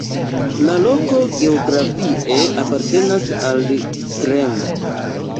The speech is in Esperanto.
La loko geografie apartenas al Srem.